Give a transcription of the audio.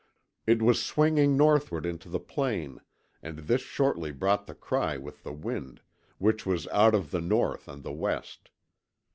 It was swinging northward into the plain, and this shortly brought the cry with the wind, which was out of the north and the west.